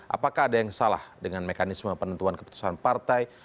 apakah ada yang salah dengan mekanisme penentuan keputusan partai